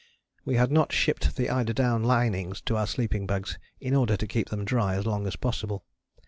We had not shipped the eider down linings to our sleeping bags, in order to keep them dry as long as possible.